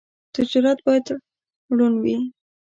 تجارت باید روڼ وي.